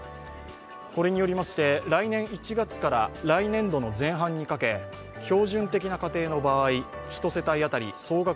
これによりまして、来年１月から来年度の前半にかけ標準的な家庭の場合、１世帯当たり、総額